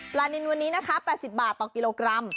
นินวันนี้นะคะ๘๐บาทต่อกิโลกรัม